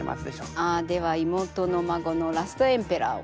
ああでは妹の孫のラストエンペラーを。